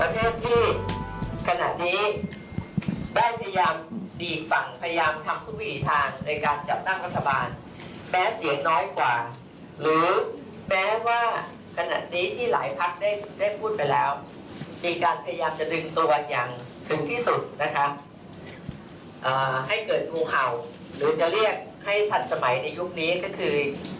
ให้เกิดงูเห่าหรือจะเรียกให้สันสมัยในยุคนี้ก็คือ